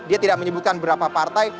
dia tidak menyebutkan berapa partai